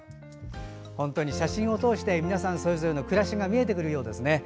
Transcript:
本当に写真を通して皆さんそれぞれの暮らしが見えてくるようですね。